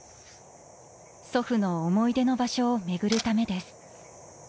祖父の思い出の場所を巡るためです。